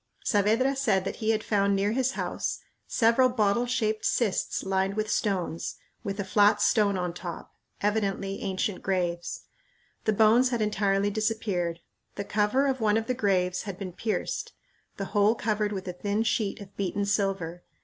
Saavedra said that he had found near his house several bottle shaped cists lined with stones, with a flat stone on top evidently ancient graves. The bones had entirely disappeared. The cover of one of the graves had been pierced; the hole covered with a thin sheet of beaten silver.